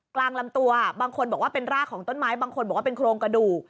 กลางลำตัวบางคนบอกว่าเป็นรากของต้นไม้บางคนบอกว่าเป็นโครงกระดูก